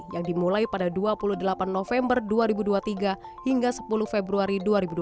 yang dimulai pada dua puluh delapan november dua ribu dua puluh tiga hingga sepuluh februari dua ribu dua puluh